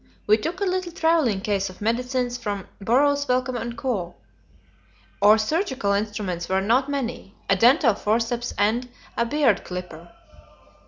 We took a little travelling case of medicines from Burroughs Wellcome and Co. Our surgical instruments were not many: a dental forceps and a beard clipper.